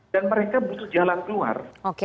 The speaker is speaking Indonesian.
dan mereka butuh jalan keluar